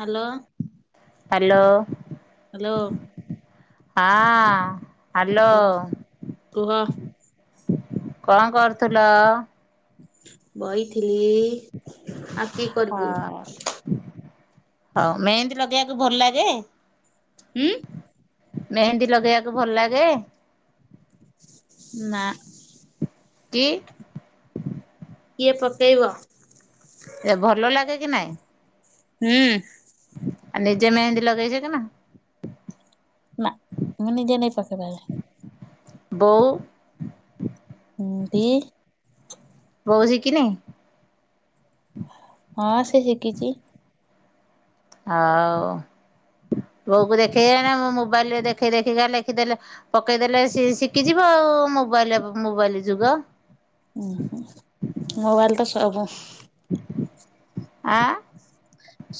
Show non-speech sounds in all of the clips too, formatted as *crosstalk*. Hello hello hello ହଁ hello କୁହ କୁହ କଣ କରୁଥିଲ ବଇଥିଲି ଆଉ କି କରିବୁ ହଁ ହଉ ମେହନ୍ଦି ଲଗେଇବାକୁ ଭଲ ଲାଗେ ହୁଁ ମେହେନ୍ଦୀ ଲଗେଇବାକୁ ଭଲ ଲାଗେ? ନା କି? କିଏ ପକେଇବ? ଏ ଭଲ ଲାଗେ କି ନାଇଁ? ହୁଁ ଆ ନିଜେ ମେହେନ୍ଦୀ ଲଗେଇଛ କି ନା ନା ମୁଁ ନିଜେ ନେଇ ପକେଇ ପାରେ ବଉ ହଁ ବି ବଉ ଶିଖିନି ହଁ ସେ ଶିଖିଛି ହଉ ବଉକୁ ଦେଖେଇ ଗ ନା ମୁଁ ମୋବାଇଲରେ ଦେଖେଇ ଦେଖେଇ କା ଲେଖିଦେଲେ ପକେଇଦେଲେ ସେ ଶିଖିଯିବ ଆଉ ମୋବାଇଲ ବା ମୋବାଇଲ ଯୁଗ ଉଁ ହୁ ମୋବାଇଲ ତ ସବୁ ଆଁ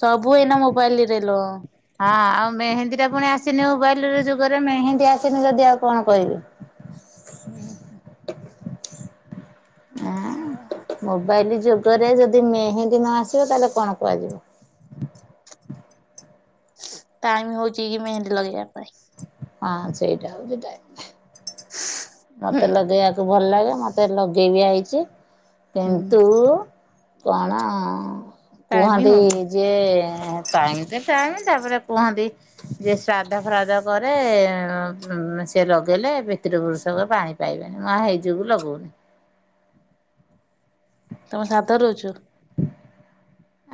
ସବୁ ଏଇନା ମୋବାଇଲ ରେ ଲ ହଁ ଆଉ ମେହେନ୍ଦୀ ଟା ପୁଣି ଆସିନି ମୋବାଇଲ ଯୁଗରେ ମେହେନ୍ଦୀ ଆସିନି ଯଦି ଆଉ କଣ କହିବି ହୁଁ ଆଁ *unintelligible* ମୋବାଇଲ ଯୁଗରେ ଯଦି ମେହେନ୍ଦୀ ନ ଆସିବ ତାହେଲେ କଣ କୁହାଯିବ ଟାଇମ ହଉଚି କି ମେହେନ୍ଦୀ ଲଗେଇବା ପାଇଁ ହଁ ସେଟା ହଉଛି ଟାଇମ୍ ହ ମତେ ଲଗେଇବାକୁ ଭଲ ଲାଗେ ମତେ ଲଗେଇବି ଆଇଚି ହୁଁ କିନ୍ତୁ କଣ ଟାଇମ କୁହନ୍ତି? ହଉନି ଯିଏ ଟାଇମ ତ ଟାଇମ ତାପରେ କୁହନ୍ତି ଯିଏ ଶ୍ରାଦ୍ଧ ଫ୍ରାଦ୍ଧ କରେ ସେ ଲଗେଇଲେ ପିତୃପୁରୁଷ ଲୋ ପାଣି ପାଇବେନି ମୁଁ ହେଇ ଯୋଗୁ ଲଗଉନି। ତମେ ସାଧରୁ ଚୁ।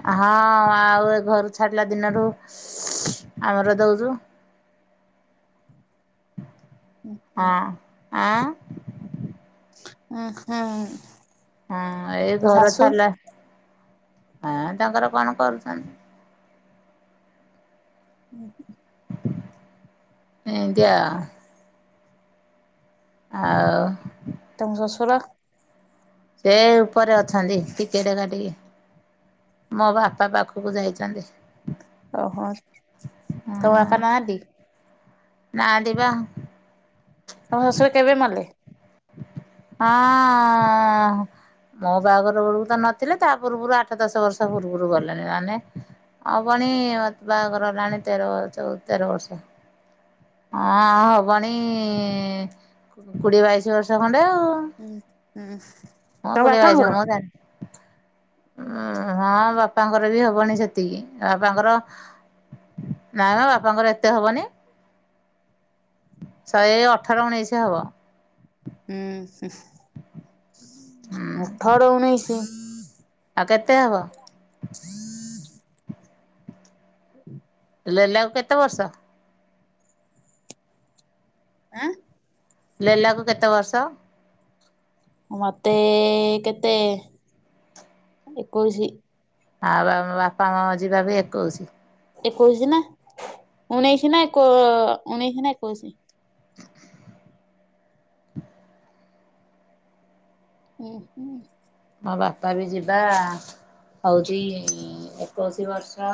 ହଁ ଆଉ ଏ ଘରୁ ଛାଡିଲା ଦିନରୁୁ ଆମର ଦଉଚୁ। *inaudible* ହଁ ଆଁ *unintelligible* ହଁ ଏଇ ତୋ ଘର ଶାଶୁ ଛାଡିଲା ହଁ ତାଙ୍କର କଣ କରୁଛନ୍ତି। ଉଁ ହୁଁ ଏମିତିଆଁ। ଆଉ ତମ ଶସୁର? ସେ ଉପରେ ଅଛନ୍ତି ଟିକେଟେ କାଟିକି। ମୋ ବାପା ପାଖକୁ ଯାଇଛନ୍ତି। ଓହୋ ତୋ ବାପା ନାହାଁନ୍ତି? ନାହାଁନ୍ତି ବା। ତମ ଶଶୁର କେବେ ମଲେ? ହଁ ମୋ ବାହାଘର ବେଳକୁ ତ ନଥିଲେ ତା ପୂର୍ବରୁ ଆଠ ଦଶ ବର୍ଷ ପୂର୍ବରୁ ଗଲେଣି ମାନେ ହବଣି ବାହାଘର ହେଲାଣି ତେର ବର୍ଷ ଚ ତେର ବର୍ଷ। ହଁ ହବଣି କୋଡିଏ ବାଇଶି ବର୍ଷ ଖଣ୍ଡେ ଆଉ। ହୁଁ ହୁଁ ହଁ ତମ କୋଡ଼ିଏ ବାପଙ୍କର? ଉଁ ହଁ ବାପାଙ୍କର ବି ହବଣି ସେତିକି ବାପାଙ୍କର ନାମ ବାପାଙ୍କର ଏତେ ହବନି। ଶହେ ଅଠର ଉଣେଇଶି ହବ। ଉଁହୁଁ ଅଠର ଉଣେଇଶି? ଆଉ କେତେ ହବ *unintelligible* *unintelligible* ଲେଲାକୁ କେତେ ବର୍ଷ? ଆଁ? ଲେଲାକୁ କେତେ ବର୍ଷ? ମତେ କେତେ ଏକୋଇଶି। ଆଉ ଆମ ବାପା ଙ୍କ ଯିବା ବି ଏକୋଇଶି। ଏକୋଇଶି ନା ଉଣେଇଶି ନା ଏକ ଉଣେଇଶି ନା ଏକୋଇଶି। ଉଁ ହୁଁ। ମୋ ବାପା ବି ଯିବା ହଉଛି ଏକୋଇଶି ବର୍ଷ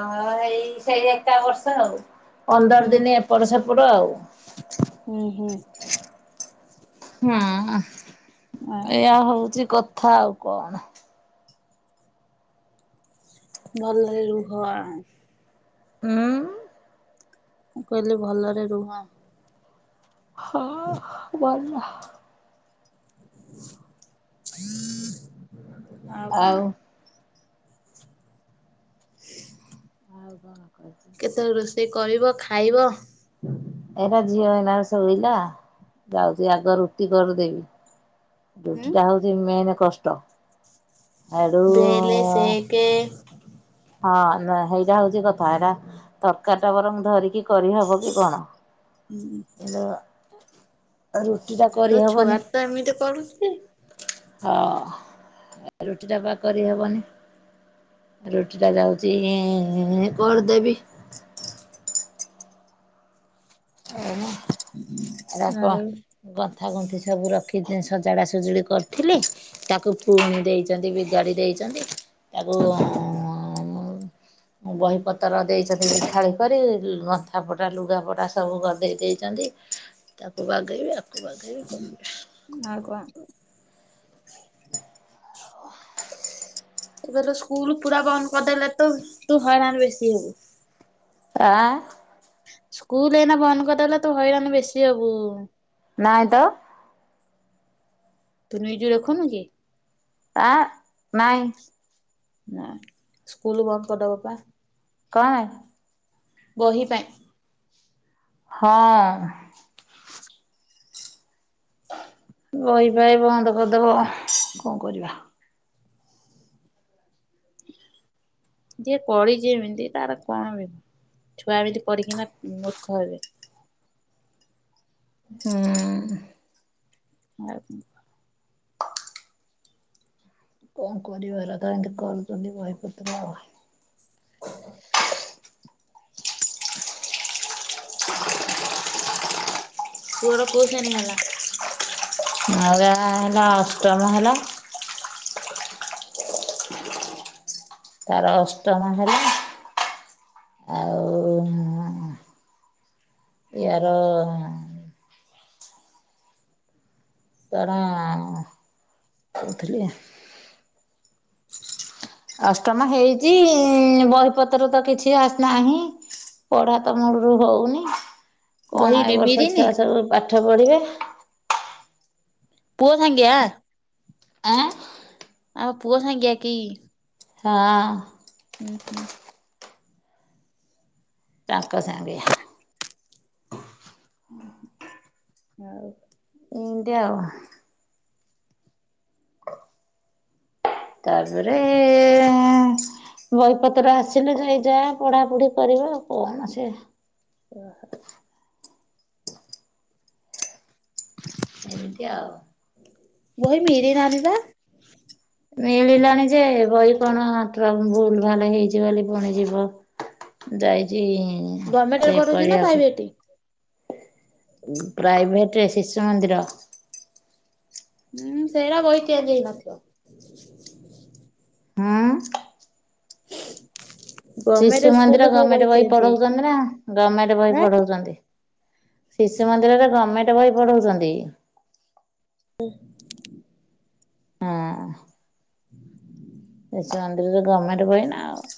ଏଇ ସେଇ ଏକା ବର୍ଷ ଆଉ। ପନ୍ଦର ଦିନ ଏପଟ ସେପଟ ଆଉ। ଉଁ ହୁଁ। ହୁଁ ଆଉ ଏଇଆ ହଉଛି କଥା ଆଉ କଣ। ଭଲରେ ରୁହ ଆଁ। ଉଁ। ମୁଁ କହିଲି ଭଲରେ ରୁହ। ହଁ ଭଲ। ଆଉ କଣ। ଆଉ କଣ କହିବି କେତେଳେ ର କେ କରିବ ଖାଇବ। ଏହେ ଝିଅ ଏଇନା ଶୋଇଲା ଯାଉଛି ଆଗ ରୁଟି କରିଦେବି। ହୁଁ। ରୁଟି ଟା ହଉଛି ମେନ୍ କଷ୍ଟ ଏଡୁ ବେଲେ ସେକେ ହଁ ହେଇଟା ହଉଛି କଥା ଏଟା ତରକାରି ଟା ବରଂ ଧରିକି କରିହବ କି କଣ? ହୁଁଁ। ହେ ରୁଟିଟା ତୋ ଛୁଆ କରିହେବନି। ତ ଏମିତି କରୁଛି ହଁ ରୁଟି ଟା ବା କରି ହବନି। ରୁଟିଟା ଯାଉଛି କରିଦେବି। ଏରା ଆଉ ଙ୍କ ଗନ୍ଥା ଗୁନ୍ଥି ସବୁ ରଖି ସଜଡା ସଜଡ଼ି କରିଥିଲି ତାକୁ ପୁଣି ଦେଇଛନ୍ତି ବିଗାଡ଼ି ଦେଇଛନ୍ତି ତାକୁ ଉ ବହି ପତ୍ର ଦେଇଛନ୍ତି ଖାଳି କରି ଗନ୍ଥା ପଟା ଲୁଗାପଟା ସବୁ ଗଦେଇ ଦେଇଛନ୍ତି ତାକୁ ବାଗାଇବି ଆକୁ ବାଗାଇବି ଆଉ କଣ କରି ଏବେ ତ ସ୍କୁଲ୍ ପୁରା ବନ୍ଦ କରିଦେଲେ ତ ତୁ ହଇରାଣ ବେଶୀ ହବୁ। ଆଁ। ସ୍କୁଲ୍ ଏଇନା ବନ୍ଦ କରିଦେଲେ ତୁ ହଇରାଣ ବେଶୀ ହବୁ। ନାଇଁ ତ ତୁ ନ୍ଯୁଜ୍ ଦେଖୁନୁ କି ଆ ନାଇଁ। ନା ସ୍କୁଲ ବନ୍ଦ କରିଦବ ପା କଁ ବହି ପାଇଁ? ହଁ। ବହିପାଇଁ ବନ୍ଦ କରି ଦେବ କଣ କରିବା। ଯିଏ କରିଛି ଏମିତି ତାର କଣ ବି ଛୁଆ ଏମିତି କରିକିନା ମୂର୍ଖ ହେବେ। ହୁଁ। ଆଉ *unintelligible* କଣ କରିିବାର ତ ଏମିତି କରୁଚନ୍ତି ବହି ପତ୍ର ପୁଅର କୋଉ ଶ୍ରେଣି ହେଲା? ନରା ହେଲା ଅଷ୍ଟମ ହେଲା। ତାର ଅଷ୍ଟମ ହେଲା ଆଉ ଏ ମା। ୟାର ନା ତାର କହୁଥିଲି ଅଷ୍ଟମ ହେଇଚି ବହିପତ୍ର ତ କିଛି ଆନାହିଁ। ପଢା ତ ମୂଳରୁ ହଉନି ବହି କଣ ଏ ବର୍ଷ ଡିମିରିନି ଛୁଆ ସବୁ ପାଠ ପଢିବେ। ପୁଅ ସାଙ୍ଗିଆ ଆଁ ଆଉ ପୁଅ ସାଙ୍ଗିଆ କି ହଁ ଅ ଉଁ ହୁଁ ତାଙ୍କ ସାଙ୍ଗିଆ ଆଉ ଏମିତି ଆଉ ଅ ତାପରେ ଏଁ ବହିପତ୍ର ଆସିଲେ ଯାଇ ଯା ପଢ଼ାପଢ଼ି କରିବ କଣ ସେ ଓହୋ ଏମିତି ଆଉ ବହି ମିଳିଲାନି ପା ମିଳିଲାଣି ଯେ ବହି କଣ ଭୁଲ୍ ଭାଲ୍ ହେଇଛି ବୋଲି ପୁଣି ଯିବ ଯାଇଛି ଗର୍ମେଣ୍ଟରେ ଚେକ୍ ପଢ଼ୁଛି ନା ପାଇଭେଟି ପ୍ରାଇଭେଟ୍ରେ ଶିଶୁ ମନ୍ଦିର ହୁଁ ସେଇଟା ବହି ତିଆରି ହେଇନଥିବ ହୁ ହୁ ହୁ ହୁ ହୁଁ ଗଭର୍ଣ୍ଣମେଣ୍ଟ ଶିଶୁ ମନ୍ଦିର ସ୍କୁଲରେ ସବୁ ଗର୍ମେଣ୍ଟେ ବହି ଚେଞ୍ଜ ହେଇଛି। ପଢେଉଛନ୍ତି ନା ଗର୍ମେଣ୍ଟେ ବହି ପଢେଉଛନ୍ତି ଶିଶୁ ମନ୍ଦିରରେ ଗମେଣ୍ଟେ ବହି ପଢେଉଛନ୍ତି ହୁଁ ହଁ ହ ସେ ମନ୍ଦିରରେ ଗମେଣ୍ଟେ ବହି ନା ଆଉ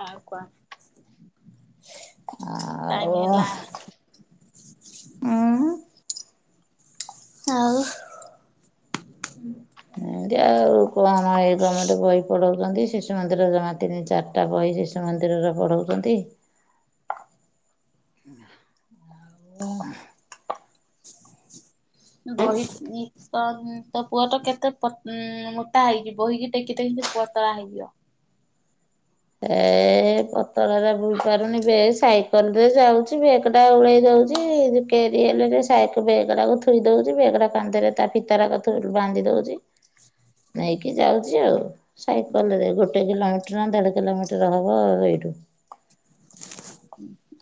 ଆ କଣ ଆଉ ଟାଇମି ହେଲା ଉଁ ଆଉ ଏମତି ଆଉ କଣ ଏ ଗମେଣ୍ଟେ ବହି ପଢେଉଛନ୍ତି ଶିଶୁ ମନ୍ଦିରରେ ଜମା ତିନି ଚାରି ଟା ବହି ଶିଶୁ ମନ୍ଦିରରେ ପଢ଼େଉଛନ୍ତି ସୁ ସୁ ସୁ ସୁ ଆଉ ବହିଥିନି ତ ତୋ ପୁଅ କେତେ ଉ ମୋଟା ହେଇଛି ବହିକି ଟେକି ଟେକି ପତଳା ହେଇଯିବ ଏ ପତଳା ଟା ବେହିପାରୁନି ବେ ସାଇକେଲ୍ ରେ ଯାଉଛି ବେ ସେଟା ଉଳେଇ ଯାଉଛି କେରିଏଲେରେ ବେଗ ଟା ଥୋଇ ଦଉଛି ବେଗ ଟା କାନ୍ଦରେ ତା ଫିତା ବାନ୍ଧି ଦେଉଛି ହଁ ନେଇକି ଯାଉଛି ଆଉ ସାଇକେଲ୍ ରେ ଗୋଟେ କିଲୋମିଟର ଦେଢ଼ କିଲୋମିଟର ହବ ଏଇଠୁ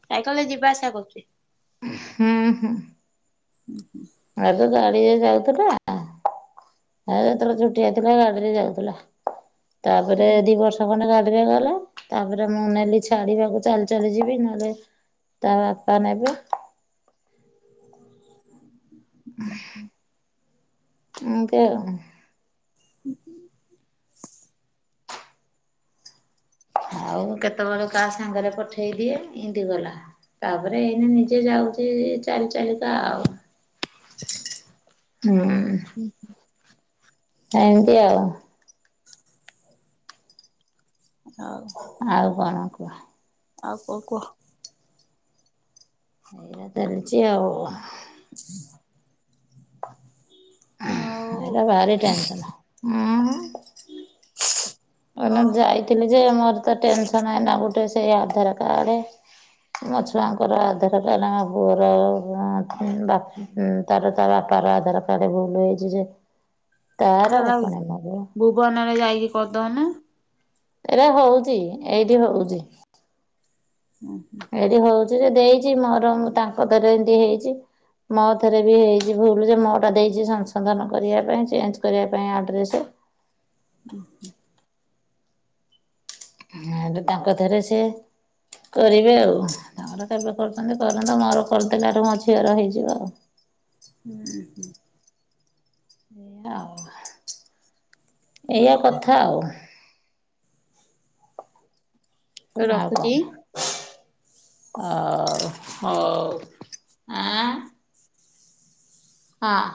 ସାଇକଲ୍ ରେ ଯିବା ଆସିବା କରୁଛି ହୁଁ ହୁଁ ହୁଁ ହୁଁ ଆଗେ ଗାଡ଼ି ରେ ଯାଉଥିଲା ଆଉ ଯେତେବେଳେ ଛେଟିଆ ଥିଲା ଗାଡ଼ିରେ ଯାଉଥିଲା ତାପରେ ଦି ବର୍ଷ ଖଣ୍ଡେ ଗାଡିରେ ଗଲା ତାପରେ ମୁଁ ନେଲି ଛାଡିବାକୁ ଚାଲି ଚାଲି ଯିବି ନହେଲେ ତା ବାପା ନେବେ। ଏମିତି ଆଉ। ଆଉ ମୁଁ କେତେବେଳେ କାହା ସାଙ୍ଗରେ ପଠେଇ ଦିଏ ଏମତି ଗଲା ତାପରେ ଏଇନା ନିଜେ ଯାଉଛି ଚାଲି ଚାଲିକା ଆଉ। ହୁଁ। ହୁଁ। ଏମିତି ଆଉ। ଆଉ କଣ? ଆଉ କଣ କୁହ? ଆଉ କଂ କୁହ। ଏମିତି ଚାଲିଛି ଆଉ। *inaudible* ଆଉ ଆଇରା ଭାରି ଟେନସନ୍। ଓ କହନା ଯାଇଥିଲି ଯେ ମୋର ତ ଟେନସନ ଏଇନା ଗୋଟେ ସେଇ ଆଧାର କାର୍ଡ। ମୋ ଛୁଆଙ୍କର ଆଧାର କାର୍ଡ ମୋ ପୁଅର ବା ଉଁ ତାର ତା ବାପାର ଆଧାର କାର୍ଡ଼ ଭୁଲ ହୋଇଛି ଯେ ତାର ଚାଲାଙ୍ଗ ପୁଣି ମୋର ଭୁବନରେ ଯାଇକି କରିଦଉନୁ। ଏରେ ହଉଛି ଏଇଠି ହଉଛି। ଓଃ! ସେଠି ହଉଛି ଯେ ଦେଇଛି ମୋର ମୁଁ ତାଙ୍କ ଦରେ ଏମିତି ହେଇଛି। ମୋଥରେ ବି ହେଇଛି ଭୁଲ ଯେ ମୋରଟା ଦେଇଛି ସଂଶୋଧନ କରିବା ପାଇଁ ଚେଞ୍ଜ କରିବା ପାଇଁ ଆଡ଼୍ରେସ୍। ଓଃ! ହେଇଠୁ ତାଙ୍କ ଥରେ ସେ କରିବେ ଆଉ ତାଙ୍କର କେବେ କରୁଛନ୍ତି କରନ୍ତୁ ମୋର କରିଦେଲାଠୁ ମୋ ଝିଅର ହେଇଯିବ ଆଉ। ହୁଁ। ଆଉ ଏଇଆ କଥା ଆଉ। ରଖୁଛି? ଅଉ ହୋଉ ଆଁ ହଁ।